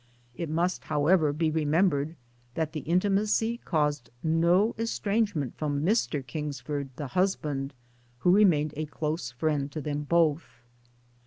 (It must however be remem bered that the intimacy caused no estrangement from Mr. Kingsford, the husband, who remained a close friend to them both.)